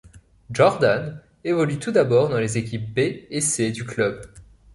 Jordan évolue tout d'abord dans les équipes B et C du club.